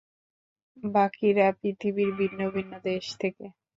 বাকিরা, পৃথিবীর ভিন্ন-ভিন্ন দেশ থেকে।